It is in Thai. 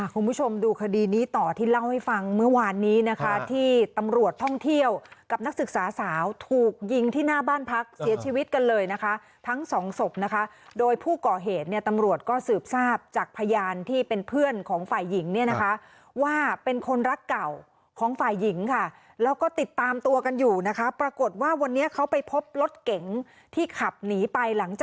คุณผู้ชมดูคดีนี้ต่อที่เล่าให้ฟังเมื่อวานนี้นะคะที่ตำรวจท่องเที่ยวกับนักศึกษาสาวถูกยิงที่หน้าบ้านพักเสียชีวิตกันเลยนะคะทั้งสองศพนะคะโดยผู้ก่อเหตุเนี่ยตำรวจก็สืบทราบจากพยานที่เป็นเพื่อนของฝ่ายหญิงเนี่ยนะคะว่าเป็นคนรักเก่าของฝ่ายหญิงค่ะแล้วก็ติดตามตัวกันอยู่นะคะปรากฏว่าวันนี้เขาไปพบรถเก๋งที่ขับหนีไปหลังจาก